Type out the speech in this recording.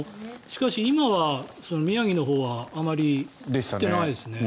しかし今は宮城のほうはあまり降っていないですね。